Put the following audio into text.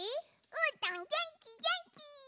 うーたんげんきげんき！